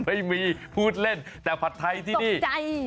ไม่มีพูดเล่นแต่ผัดไทยที่นี่